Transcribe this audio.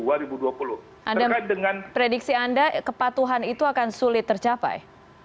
anda melihat prediksi anda kepatuhan itu akan sulit tercapai